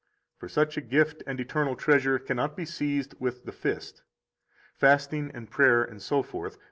For such a gift and eternal treasure cannot be seized with the fist. 37 Fasting and prayer, etc.